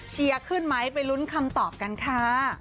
เชียร์ขึ้นไหมไปรุ้นคำตอบกันค่ะ